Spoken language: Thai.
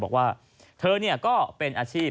บอกว่าเธอก็เป็นอาชีพ